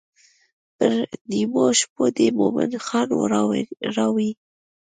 پر نیمو شپو دې مومن خان راوی.